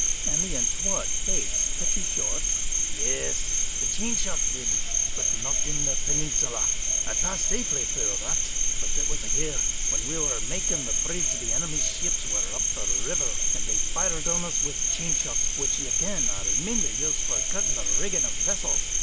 '" "And the untoward Fates cut you short?" "Yes, the chain shot did, but not in the Peninsula. I passed safely through that, but it was here. When we were makin' the bridge, the enemy's ships were up the river, and they fired on us with chain shot, which ye ken are mainly used for cutting the rigging of vessels.